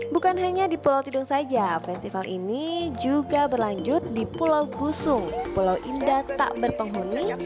bukan hanya di pulau tidung saja festival ini juga berlanjut di pulau gusung pulau indah tak berpenghuni